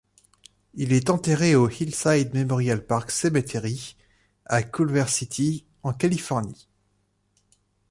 Il est enterré au Hillside Memorial Park Cemetery à Culver City en Californie.